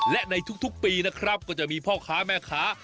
และในทุกปีนะครับก็จะมีพ่อค้าแม่ค้า